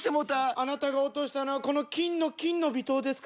あなたが落としたのはこの金の「金の微糖」ですか？